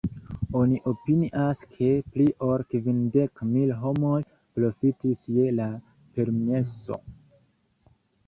Oni opinias ke, pli ol kvindek mil homoj profitis je la permeso.